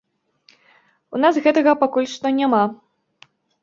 У нас гэтага пакуль што няма.